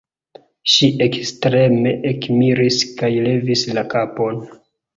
Ŝi ekstreme ekmiris kaj levis la kapon: